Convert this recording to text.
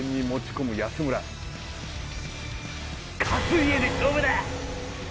勝家で勝負だ！